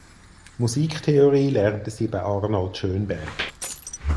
Musiktheorie lernte sie bei Arnold Schönberg.